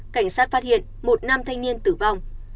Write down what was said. cảnh sát phát hiện một nam thanh niên tử vong